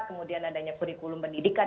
kemudian adanya kurikulum pendidikan